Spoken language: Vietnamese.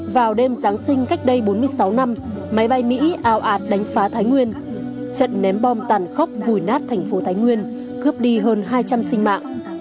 vào đêm giáng sinh cách đây bốn mươi sáu năm máy bay mỹ ao ạt đánh phá thái nguyên trận ném bom tàn khốc vùi nát thành phố thái nguyên cướp đi hơn hai trăm linh sinh mạng